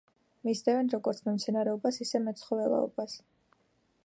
მისდევენ როგორც მემცენარეობას, ისე მეცხოველეობას.